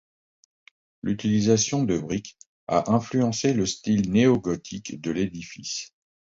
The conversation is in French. L’utilisation de briques a influencé le style néo-gothique de l'édifice.